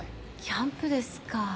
キャンプですかぁ。